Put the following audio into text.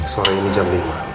soreng jam lima